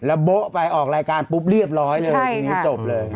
แล้วโบ๊ะไปออกรายการปุ๊บเรียบร้อยเลยทีนี้จบเลย